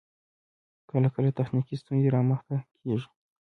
کله کله تخنیکی ستونزې رامخته کیږی